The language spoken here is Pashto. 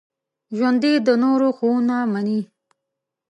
ژوندي د نورو ښوونه مني